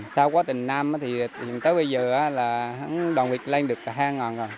sau quá trình năm tối bây giờ đàn vịt lên được cả hai con